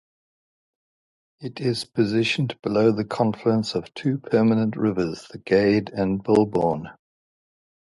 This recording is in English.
It is positioned below the confluence of two permanent rivers, the Gade and Bulbourne.